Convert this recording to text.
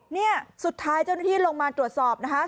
เนี่ยสุดท้ายเจ้าหน้าที่ลงมาตรวจสอบนะคะ